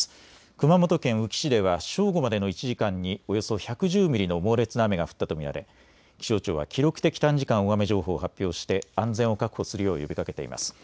熊本県宇城市では正午までの１時間におよそ１１０ミリの猛烈な雨が降ったと見られ気象庁は記録的短時間大雨情報を発表して安全を確保するよう呼びかけています。